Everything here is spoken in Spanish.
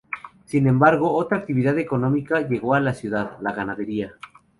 Sin embargo, otra actividad económica llegó a la ciudad: la ganadería.